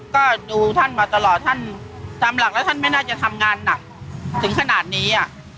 ก็ดูท่านมาตลอดท่านตามหลักแล้วท่านไม่น่าจะทำงานหนักถึงขนาดนี้